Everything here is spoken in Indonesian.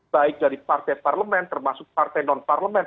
baik dari partai parlement termasuk partai non parlement